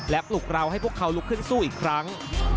ปลุกเราให้พวกเขาลุกขึ้นสู้อีกครั้ง